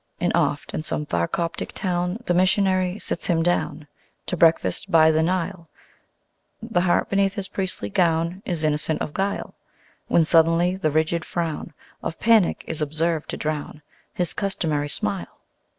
And oft in some far Coptic town The Missionary sits him down To breakfast by the Nile: The heart beneath his priestly gown Is innocent of guile; When suddenly the rigid frown Of Panic is observed to drown His customary smile.